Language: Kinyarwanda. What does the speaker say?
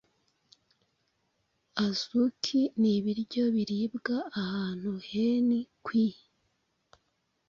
Azukinibiryo biribwa ahantu henhi kwii